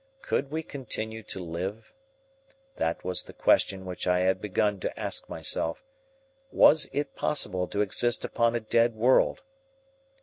Could we continue to live? That was the question which I had begun to ask myself. Was it possible to exist upon a dead world?